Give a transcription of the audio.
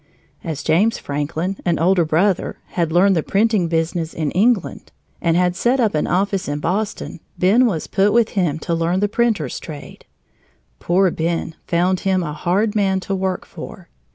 As James Franklin, an older brother, had learned the printing business in England and had set up an office in Boston, Ben was put with him to learn the printer's trade. Poor Ben found him a hard man to work for.